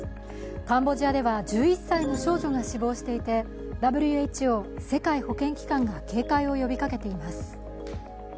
カンボジアでは１１歳の少女が死亡していて、ＷＨＯ＝世界保健機関が警戒を呼びかけています。